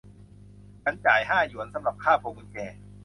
ฉันจ่ายห้าหยวนสำหรับค่าพวงกุญแจ